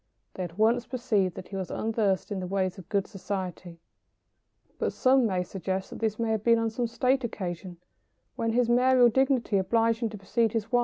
They at once perceived that he was unversed in the ways of good society. But some one may suggest that this may have been on some state occasion, when his mayoral dignity obliged him to precede his wife.